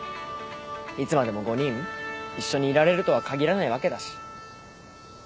いつまでも５人一緒にいられるとは限らないわけだし。